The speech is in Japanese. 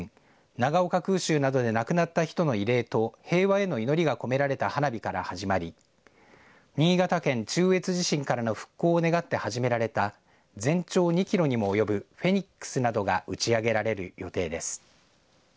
長岡空襲などで亡くなった人の慰霊と平和への祈りが込められた花火から始まり新潟県中越地震からの復興を願って始められた全長２キロにも及ぶフェニックスなどが打ち上げられる予定です。